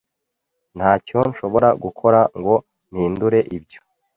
Ntacyo nshobora gukora ngo mpindure ibyo.